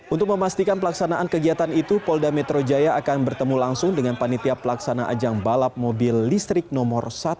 untuk memastikan pelaksanaan kegiatan itu polda metro jaya akan bertemu langsung dengan panitia pelaksana ajang balap mobil listrik nomor satu